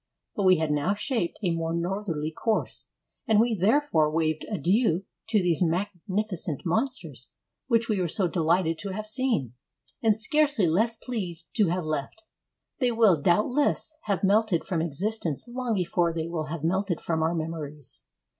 But we had now shaped a more northerly course; and we therefore waved adieu to these magnificent monsters which we were so delighted to have seen, and scarcely less pleased to have left. They will doubtless have melted from existence long before they will have melted from our memories.